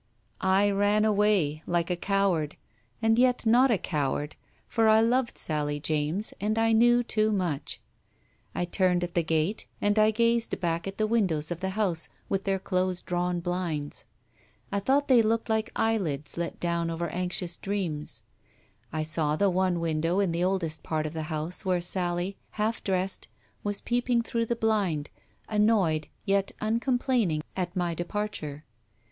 I ran away, like a coward, and yet not a coward, for I loved Sally James and I knew too much. I turned at the gate, and I gazed back at the windows of the house with 185 Digitized by Google 186 TALES OF THE UNEASY their close drawn blinds. I thought they looked like eyelids let down over anxious dreams. I saw the one window in the oldest part of the house where Sally, half dressed, was peeping through the blind, annoyed, yet uncomplaining at my departure.